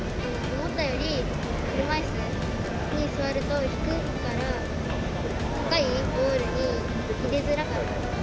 思ったより車いすに座ると低いから、高いゴールに入れづらかったです。